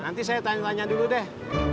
nanti saya tanya tanya dulu deh